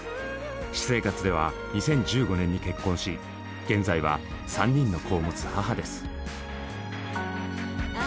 私生活では２０１５年に結婚し現在は３人の子を持つ母です。